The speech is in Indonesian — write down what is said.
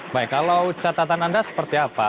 baik kalau catatan anda seperti apa